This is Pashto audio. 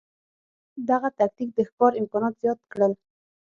دغه تکتیک د ښکار امکانات زیات کړل.